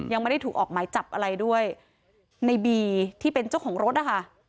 ยังไม่ได้ถูกออกหมายจับอะไรด้วยในบีที่เป็นเจ้าของรถนะคะ